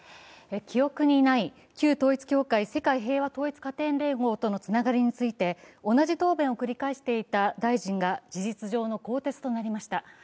記憶にない、旧統一教会＝世界平和統一家庭連合とのつながりについて同じ答弁を繰り返していた大臣が事実上の更迭となりました。